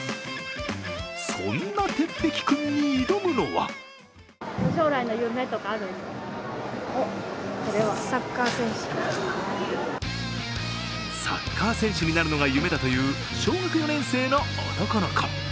そんな鉄壁君に挑むのはサッカー選手になるのが夢だという小学４年生の男の子。